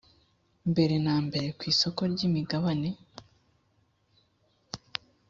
mbere na mbere ku isoko ry’imigabane